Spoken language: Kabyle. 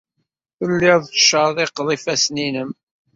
Telliḍ tettcerriqeḍ ifassen-nnem.